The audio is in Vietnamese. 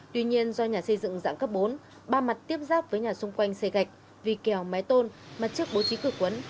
tuy nhiên do nhà xây dựng dạng cấp bốn ba mặt tiếp giáp với nhà xung quanh xe gạch vị kèo máy tôn mặt trước bố trí cửa quấn